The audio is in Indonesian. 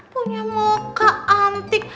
punya muka antik